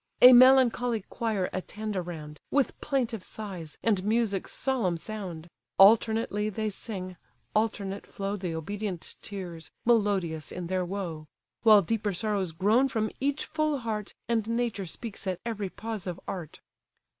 A melancholy choir attend around, With plaintive sighs, and music's solemn sound: Alternately they sing, alternate flow The obedient tears, melodious in their woe. While deeper sorrows groan from each full heart, And nature speaks at every pause of art.